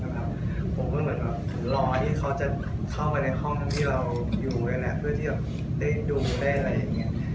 ผมก็เหมือนแบบรอที่เขาจะเข้าไปในห้องที่เราอยู่กันเพื่อที่จะได้ดูได้อะไรอย่างนี้